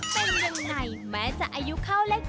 เป็นยังไงแม้จะอายุเข้าเล็ก